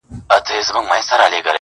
زما په ليدو دي زړگى ولي وارخطا غوندي سي.